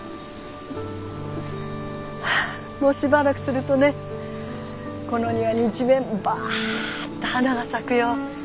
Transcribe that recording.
もうしばらくするとねこの庭に一面バッと花が咲くよ。